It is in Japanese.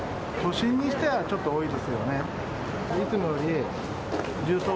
都心にしてはちょっと多いですよね。